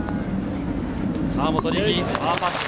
河本力、パーパット。